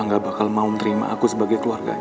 mungkin aura gak bakal mau terima aku sebagai keluarganya